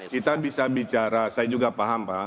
kita bisa bicara saya juga paham pak